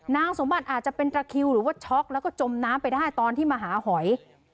นางสมบัติอาจจะเป็นตระคิวหรือว่าช็อกแล้วก็จมน้ำไปได้ตอนที่มาหาหอย